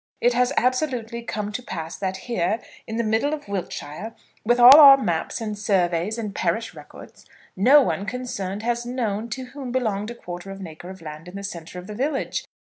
It has absolutely come to pass that here, in the middle of Wiltshire, with all our maps, and surveys, and parish records, no one concerned has known to whom belonged a quarter of an acre of land in the centre of the village.